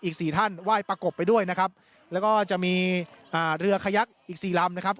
อีกสี่ท่านไหว้ประกบไปด้วยนะครับแล้วก็จะมีอ่าเรือขยักอีกสี่ลำนะครับ